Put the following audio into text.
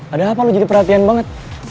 ada apa lo jadi perhatian banget